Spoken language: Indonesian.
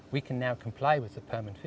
memanfaatkan perman lima puluh